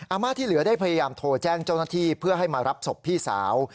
อาม่าที่เหลือได้พยายามโทรแจ้งเจ้าหน้าที่เพื่อให้มารับศพพี่สาว